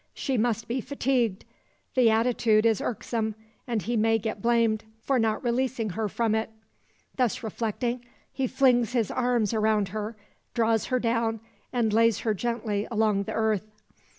She must be fatigued; the attitude is irksome, and he may get blamed; for not releasing her from it. Thus reflecting, he flings his arms around her, draws her down, and lays her gently along the earth.